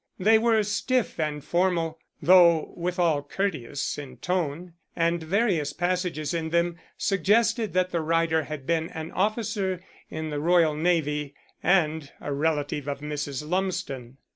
They were stiff and formal, though withal courteous in tone, and various passages in them suggested that the writer had been an officer in the Royal Navy and a relative of Mrs. Lumsden.